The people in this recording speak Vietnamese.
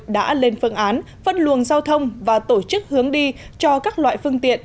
đã lên phương án phân luồng giao thông và tổ chức hướng đi cho các loại phương tiện